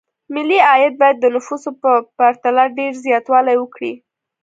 ملي عاید باید د نفوسو په پرتله ډېر زیاتوالی وکړي.